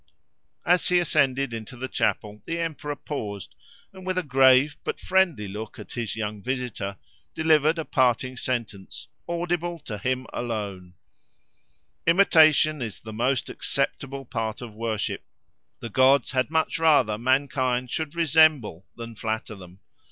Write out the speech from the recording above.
As he ascended into the chapel the emperor paused, and with a grave but friendly look at his young visitor, delivered a parting sentence, audible to him alone: _Imitation is the most acceptable part of worship:—the gods had much rather mankind should resemble than flatter them.